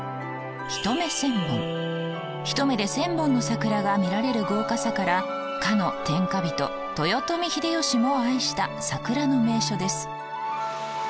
一目で千本の桜が見られる豪華さからかの天下人豊臣秀吉も愛した桜の名所です。